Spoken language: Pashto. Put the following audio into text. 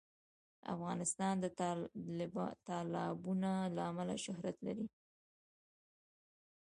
افغانستان د تالابونه له امله شهرت لري.